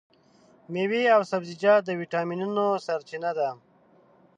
مېوې او سبزیجات د ویټامینونو سرچینه ده.